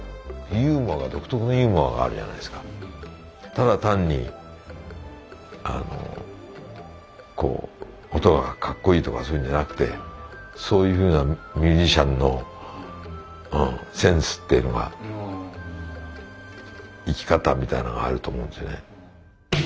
ただ単にこう音が格好いいとかそういうんじゃなくてそういうふうなミュージシャンのセンスっていうのが生き方みたいのがあると思うんですよね。